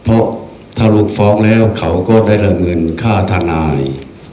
เพราะถ้าลูกฟ้องแล้วเขาก็ได้รับเงินค่าทนาย